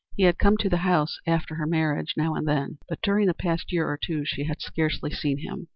He had come to the house after her marriage now and then, but during the past year or two she had scarcely seen him.